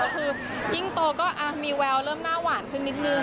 คือยิ่งโตก็มีแววเริ่มหน้าหวานขึ้นนิดนึง